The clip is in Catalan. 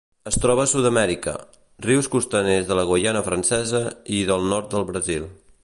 Es troba a Sud-amèrica: rius costaners de la Guaiana Francesa i del nord del Brasil.